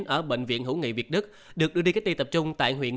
ở bệnh viện hữu nghị việt đức được đưa đi cách ly tập trung tại huyện